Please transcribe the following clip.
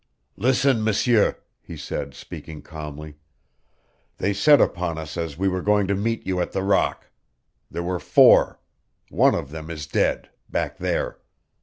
"Listen, M'sieur," he said, speaking calmly. "They set upon us as we were going to meet you at the rock. There were four. One of them is dead back there.